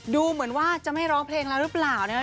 ดูเหมือนว่าจะไม่ร้องเพลงแล้วรึเปล่าเนี่ย